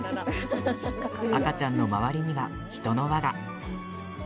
赤ちゃんの周りには人の輪が。